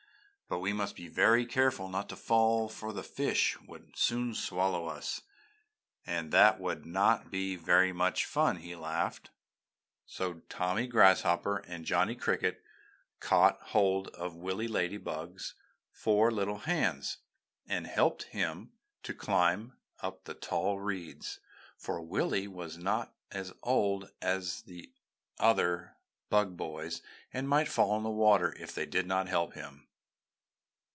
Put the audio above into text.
"But we must be very careful and not fall, for the fish would soon swallow us, and that would not be very much fun!" he laughed. So Tommy Grasshopper and Johnny Cricket caught hold of Willy Ladybug's four little hands and helped him to climb up the tall reeds, for Willy was not as old as the other Bug Boys, and might fall in the water if they did not help him.